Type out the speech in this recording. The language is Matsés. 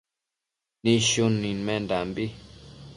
Nidshun nidmenbi